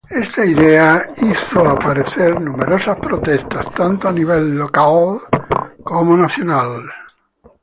Esta idea hizo aparecer numerosas protestas tanto a nivel local como nacional.